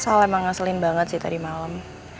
salah emang ngaselin banget sih tadi malem